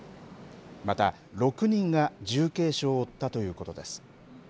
また、６人が重軽傷を負ったということです。